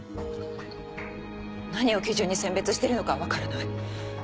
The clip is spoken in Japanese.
何を基準に選別してるのかは分からない。